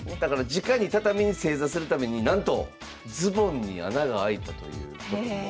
じかに畳に正座するためになんとズボンに穴が開いたという。